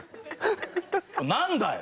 何だよ？